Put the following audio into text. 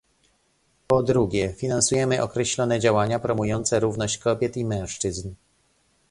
Po drugie, finansujemy określone działania promujące równość kobiet i mężczyzn